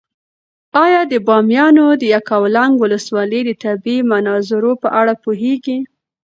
ایا د بامیانو د یکاولنګ ولسوالۍ د طبیعي مناظرو په اړه پوهېږې؟